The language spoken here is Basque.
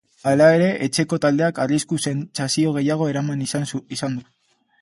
Hala ere, etxeko taldeak arrisku-sentsazio gehiago eramaten izan du.